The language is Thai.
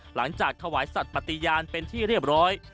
หลังจาก๘๔ตมินาศธิกษ์วัจถิตยานเป็นที่เรียบร้อย